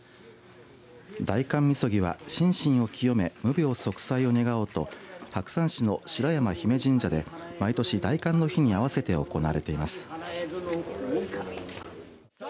大寒みそぎは心身を清め無病息災を願おうと白山市の白山比め神社で毎年、大寒の日に合わせて行われています。